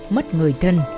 mất người thân